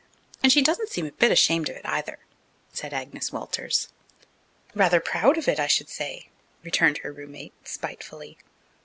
"And she doesn't seem a bit ashamed of it, either," said Agnes Walters. "Rather proud of it, I should say," returned her roommate, spitefully.